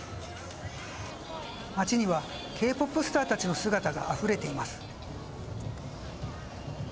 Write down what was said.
街にはＫ‐ＰＯＰスターたちの姿があふれています。